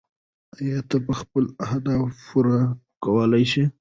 ایا ته خپل اهداف پوره کولی شې؟